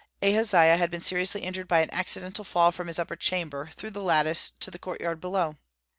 Ahaziah had been seriously injured by an accidental fall from his upper chamber, through the lattice, to the court yard below.